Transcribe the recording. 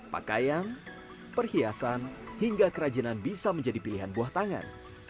pakaian perhiasan hingga kerajinan bisa menjadi pilihan buah tangan